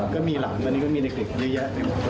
ก็มีหลานตอนนี้ก็มีเด็กเยอะแยะไปหมด